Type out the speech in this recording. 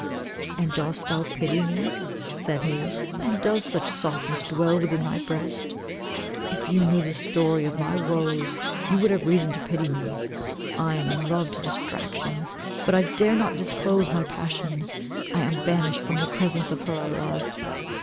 "And dost thou pity me," said he. "And does such softness dwell within thy breast? If you knew the story of my woes, you would have reason to pity me. I am in love to destraction, but I dare not disclose my passion. I am banished from the presence of her I love.